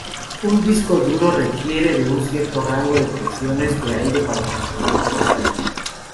Un disco duro requiere un cierto rango de presiones de aire para funcionar correctamente.